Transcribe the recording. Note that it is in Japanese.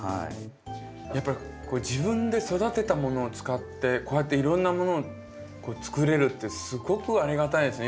やっぱり自分で育てたものを使ってこうやっていろんなものを作れるってすごくありがたいですね。